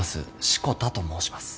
志子田と申します。